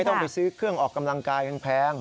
ต้องไปซื้อเครื่องออกกำลังกายแพง